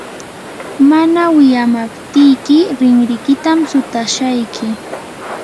mana wiyamaptiyki rinrikitam sutashayki.